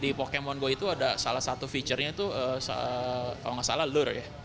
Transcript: di pokemon go itu ada salah satu feature nya itu kalau nggak salah lore ya